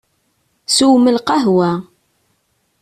Swem lqahwa.